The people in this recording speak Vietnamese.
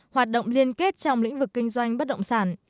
hoạt động liên kết trong lĩnh vực kinh doanh bất động sản